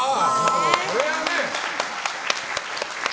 それはね。